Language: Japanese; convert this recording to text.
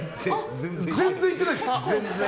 全然いってないです。